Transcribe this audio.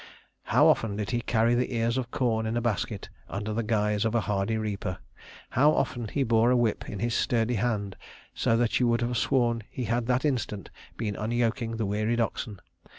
"How often did he carry the ears of corn in a basket under the guise of a hardy reaper. How often he bore a whip in his sturdy hand so that you would have sworn he had that instant been unyoking the wearied oxen.